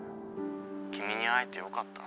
「君に会えてよかった」。